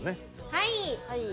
はい。